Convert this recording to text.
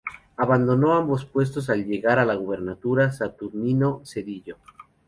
Abandonó ambos puestos al llegar a la gubernatura Saturnino Cedillo.